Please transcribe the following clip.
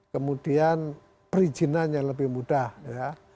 kemudian perizinan yang lebih mudah ya